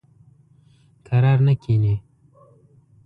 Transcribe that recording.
کرار نه کیني.